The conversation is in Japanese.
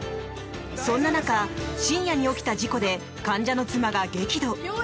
そんな中、深夜に起きた事故で患者の妻が激怒。